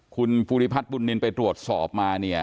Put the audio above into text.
คุณฟูริพัฒน์บุญนินตร์ไปตรวจสอบมา